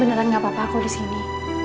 beneran gak apa apa aku disini